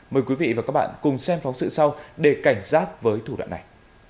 mời quý vị và các bạn cùng xem phóng sự sau để cảnh giác với thủ đoạn này